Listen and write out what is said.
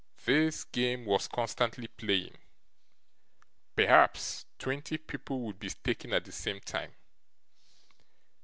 This game was constantly playing. Perhaps twenty people would be staking at the same time.